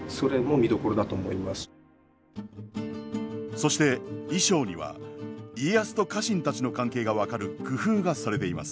そして衣装には家康と家臣たちの関係が分かる工夫がされています。